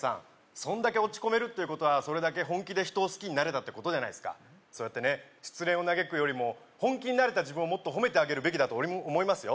そんだけ落ち込めるってことは本気で人を好きになれたってことそうやってね失恋を嘆くよりも本気になれた自分をもっと褒めてあげるべきだと思いますよ